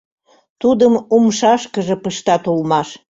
Тудым умшашкыже пыштат улмаш.